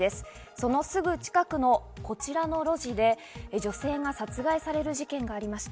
そのすぐ近くのこちらの路地で女性が殺害される事件がありました。